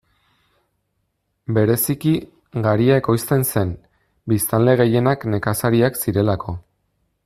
Bereziki garia ekoizten zen, biztanle gehienak nekazariak zirelako.